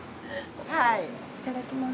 いただきます。